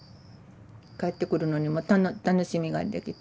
帰ってくるのにも楽しみができて。